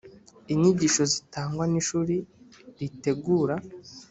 inyigisho zitangwa n ishuri ritegura